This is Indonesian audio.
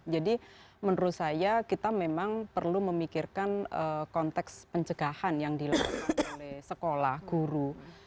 jadi menurut saya kita memang perlu memikirkan konteks pencegahan yang dilakukan oleh sekolah guru